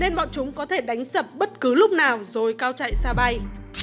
nên bọn chúng có thể đánh sập bất cứ lúc nào rồi cao chạy xa bay